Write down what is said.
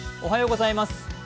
おはようございます。